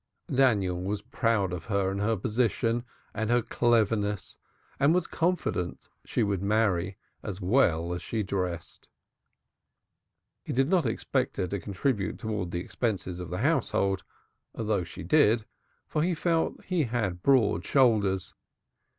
Daniel was proud of her and her position and her cleverness and was confident she would marry as well as she dressed. He did not expect her to contribute towards the expenses of the household though she did for he felt he had broad shoulders.